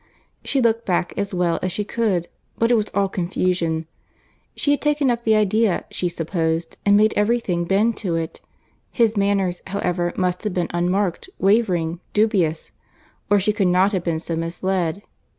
She looked back as well as she could; but it was all confusion. She had taken up the idea, she supposed, and made every thing bend to it. His manners, however, must have been unmarked, wavering, dubious, or she could not have been so misled.